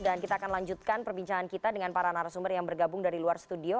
dan kita akan lanjutkan perbincangan kita dengan para narasumber yang bergabung dari luar studio